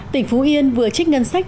tỉnh phú yên vừa trích ngân sách